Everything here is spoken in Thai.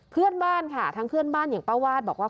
เพื่อนบ้านค่ะทั้งเพื่อนบ้านอย่างป้าวาดบอกว่า